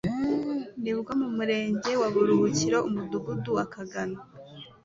nibwo mu Murenge wa Buruhukiro Umudugudu wa Kagano